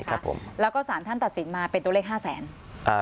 ครับผมแล้วก็สารท่านตัดสินมาเป็นตัวเลขห้าแสนอ่า